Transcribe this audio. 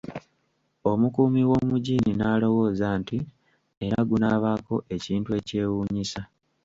Omukuumi w'omugiini n'alowooza nti era gunaabaako ekintu ekyewuunyisa.